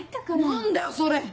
何だよそれ！